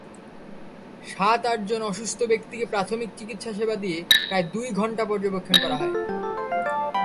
সাত-আটজন অসুস্থ ব্যক্তিকে প্রাথমিক চিকিৎসাসেবা দিয়ে প্রায় দুই ঘণ্টা পর্যবেক্ষণ করা হয়।